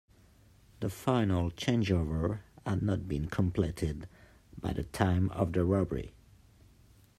The final changeover had not been completed by the time of the robbery.